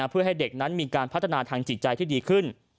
เพื่อให้เด็กนั้นมีการพัฒนาทางจิตใจที่ดีขึ้น